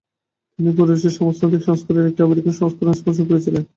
তিনি ফুরিরিস্ট সমাজতান্ত্রিক সংস্কারের একটি আমেরিকান সংস্করণ স্পনসর করেছিলেন।